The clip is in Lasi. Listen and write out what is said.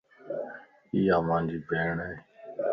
ايا مانجي ڀيڻ ائي